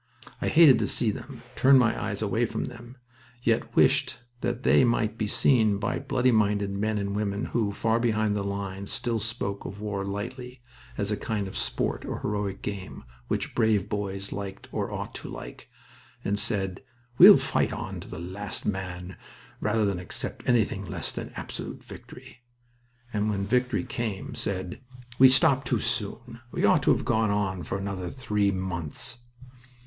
I hated to see them, turned my eyes away from them, and yet wished that they might be seen by bloody minded men and women who, far behind the lines, still spoke of war lightly, as a kind of sport, or heroic game, which brave boys liked or ought to like, and said, "We'll fight on to the last man rather than accept anything less than absolute victory," and when victory came said: "We stopped too soon. We ought to have gone on for another three months."